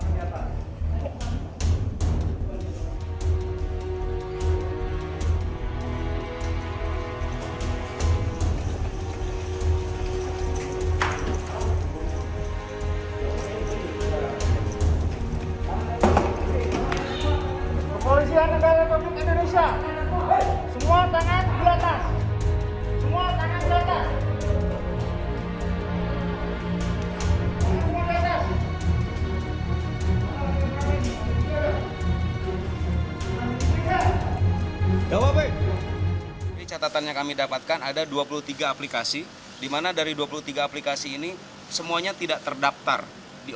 kepolisian negara tersebut indonesia semua tangan diatas semua tangan diatas